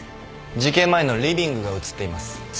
事件前のリビングが写っています。